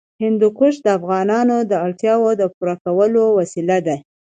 هندوکش د افغانانو د اړتیاوو د پوره کولو وسیله ده.